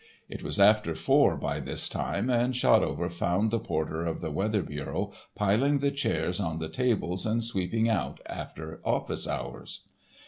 It was after four by this time, and Shotover found the porter of the Weather Bureau piling the chairs on the tables and sweeping out after office hours.